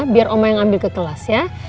biar oma yang ambil ke kelas ya